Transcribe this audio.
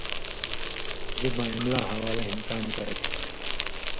ژِباں املاں حوالہ ہِن کام کرہ چھی۔